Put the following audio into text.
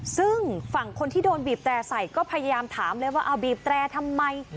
ซึ่งฝั่งคนที่โดนบีบแตร่ใส่ก็พยายามถามเลยว่าเอาบีบแตรทำไม